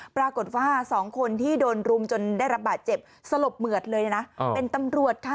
ปรากฏว่าสองคนที่โดนรุมจนได้รับบาดเจ็บสลบเหมือดเลยนะเป็นตำรวจค่ะ